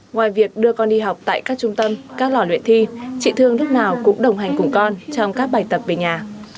ngoài việc đưa con đi học tại các trung tâm các lò luyện thi chị thương lúc nào cũng đồng hành cùng con trong các bài tập về nhà